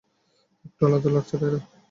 একটু আলাদা লাগছে, তাই না?